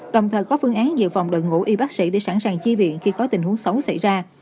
đồng thời có phương án dự phòng đội ngũ y bác sĩ để sẵn sàng chi viện khi có tình huống xấu xảy ra